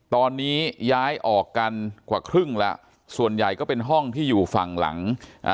ตอนนี้ย้ายออกกันกว่าครึ่งแล้วส่วนใหญ่ก็เป็นห้องที่อยู่ฝั่งหลังอ่า